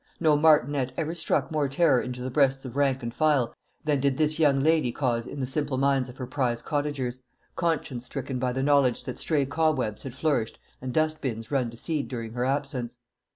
No martinet ever struck more terror into the breasts of rank and file than did this young lady cause in the simple minds of her prize cottagers, conscience stricken by the knowledge that stray cobwebs had flourished and dust bins run to seed during her absence.